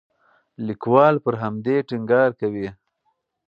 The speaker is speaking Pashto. لیکوال پر همدې ټینګار کوي.